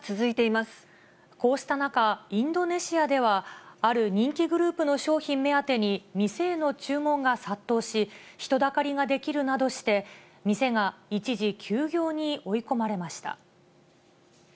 こうした中、インドネシアでは、ある人気グループの商品目当てに店への注文が殺到し、人だかりが出来るなどして、店が一時休業に追い込まれました。